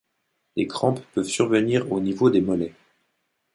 Des crampes peuvent survenir au niveau des mollets.